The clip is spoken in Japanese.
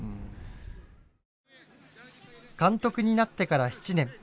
監督になってから７年。